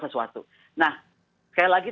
sesuatu nah sekali lagi